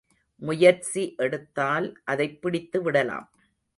முயற்சி எடுத்தால், அதைப் பிடித்துவிடலாம்.